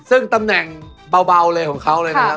ซึ่งตำแหน่งเบาเลยของเขาเลยนะครับ